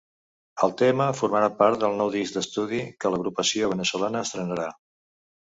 El tema formarà part del nou disc d'estudi que l'agrupació veneçolana estrenarà.